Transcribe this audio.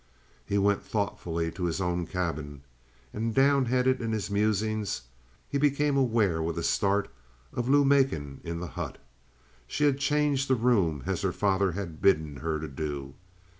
He went thoughtfully to his own cabin, and, down headed in his musings, he became aware with a start of Lou Macon in the hut. She had changed the room as her father had bidden her to do.